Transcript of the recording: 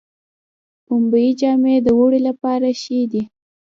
پنبې جامې د اوړي لپاره ښې دي